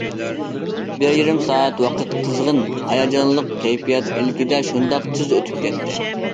بىر يېرىم سائەت ۋاقىت قىزغىن، ھاياجانلىق كەيپىيات ئىلكىدە شۇنداق تېز ئۆتۈپ كەتتى.